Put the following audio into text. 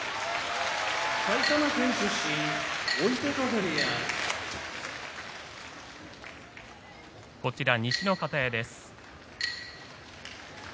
埼玉県出身追手風部屋西の方屋です。